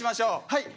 はい。